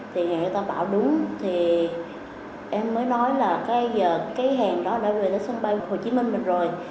thì người ta bảo đúng thì em mới nói là cái hàng đó đã về đến sân bay hồ chí minh mình rồi